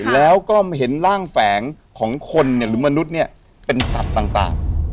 แล้วก็เห็นร่างแฝงของคนเนี่ยหรือมนุษย์เนี่ยเป็นสัตว์ต่าง